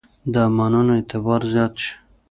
د امامانو اعتبار زیات شي.